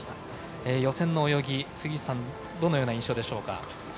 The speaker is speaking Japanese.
予選の泳ぎどのような印象でしょうか。